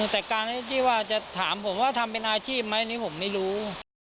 แต่การที่ว่าจะถามผมว่าทำเป็นอาชีพไหมนี่ผมไม่รู้